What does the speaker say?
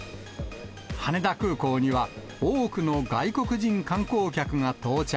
羽田空港には多くの外国人観光客が到着。